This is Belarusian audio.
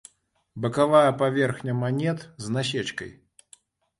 Бакавая паверхня манет з насечкай.